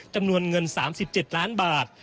จำนวนเงิน๓๗ล้านบาท